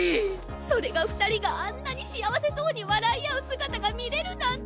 それが二人があんなに幸せそうに笑い合う姿が見れるなんて。